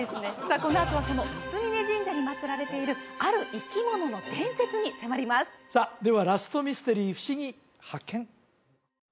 このあとはその三峯神社にまつられているある生き物の伝説に迫りますさあではラストミステリーふしぎ発見！